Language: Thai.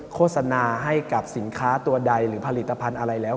โฆษณาให้กับสินค้าตัวใดหรือผลิตภัณฑ์อะไรแล้ว